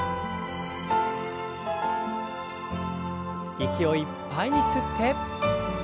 息をいっぱいに吸って。